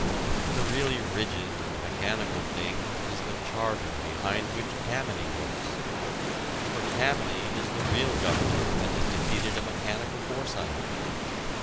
The really rigid and mechanical thing is the charter behind which Tammany works. For Tammany is the real government that has defeated a mechanical foresight.